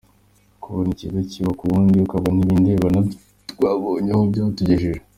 Kubona ikibi kiba ku wundi ukaba ntibindeba na byo twabonye aho byatugejeje.